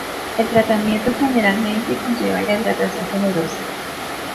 El tratamiento generalmente conlleva a la hidratación generosa.